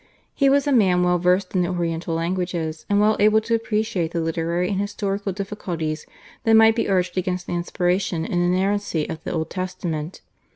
He was a man well versed in the Oriental languages and well able to appreciate the literary and historical difficulties that might be urged against the inspiration and inerrancy of the Old Testament.